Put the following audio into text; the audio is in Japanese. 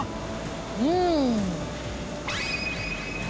うん！